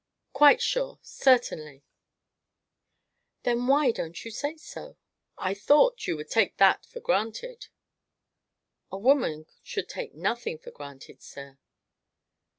"Quite sure certainly." "Then why don't you say so?" "I thought you would take that for granted." "A woman should take nothing for granted, sir."